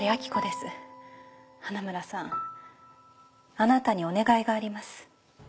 花村さんあなたにお願いがあります。